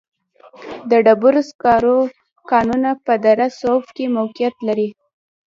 د ډبرو سکرو کانونه په دره صوف کې موقعیت لري.